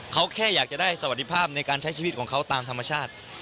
เขาแค่อยากจะได้สวัสดีภาพในการใช้ชีวิตของเขาตามธรรมชาติ